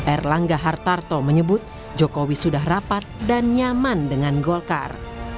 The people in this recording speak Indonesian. erlangga hartarto menyebut jokowi sudah rapat dan nyaman dengan golkar